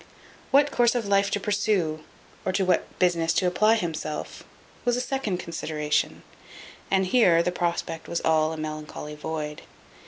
What course of life to pursue, or to what business to apply himself, was a second consideration: and here the prospect was all a melancholy void.